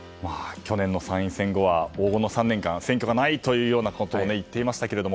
去年の参院選後は黄金の３年間選挙がないと言っていましたけど。